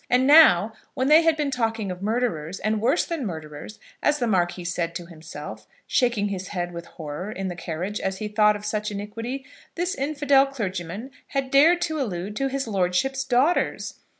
And now, when they had been talking of murderers, and worse than murderers, as the Marquis said to himself, shaking his head with horror in the carriage as he thought of such iniquity, this infidel clergyman had dared to allude to his lordship's daughters!